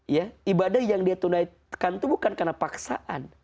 ya ibadah yang dia tunaikan itu bukan karena paksaan